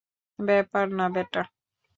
ব্যাপার না বেটা।